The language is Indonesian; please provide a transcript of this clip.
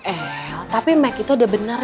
el tapi mike itu udah bener ya